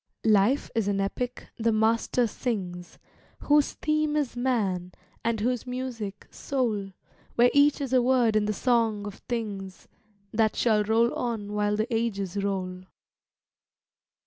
Life is an epic the Master sings, Whose theme is Man, and whose music, Soul, Where each is a word in the Song of Things, That shall roll on while the ages roll.